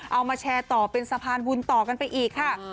เอามาแชร์ต่อเป็นสะพานบุญต่อกันไปอีกค่ะ